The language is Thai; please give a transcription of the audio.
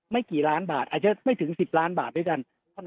กี่ล้านบาทอาจจะไม่ถึง๑๐ล้านบาทด้วยกัน